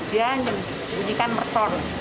dia menunjukkan merkor